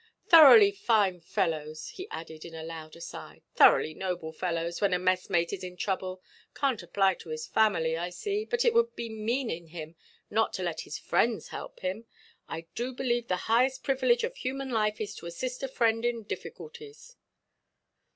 Thoroughly fine fellows," he added, in a loud aside, "thoroughly noble fellows, when a messmate is in trouble. Canʼt apply to his family, I see; but it would be mean in him not to let his friends help him. I do believe the highest privilege of human life is to assist a friend in difficulties."